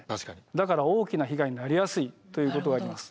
だから大きな被害になりやすいということがあります。